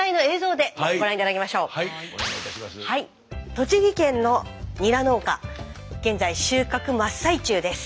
栃木県のニラ農家現在収穫真っ最中です。